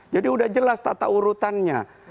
jadi sudah jelas tata urutannya